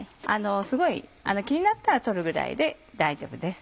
すごい気になったら取るぐらいで大丈夫です。